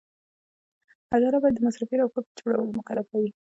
اداره باید د مصرفي راپور په جوړولو مکلفه وي.